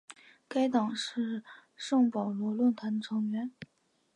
该党是圣保罗论坛的成员。